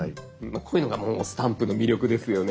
こういうのがもうスタンプの魅力ですよね。